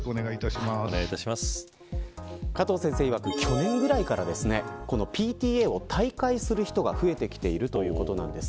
加藤先生いわく、去年ぐらいからＰＴＡを退会する人が増えてきているということなんです。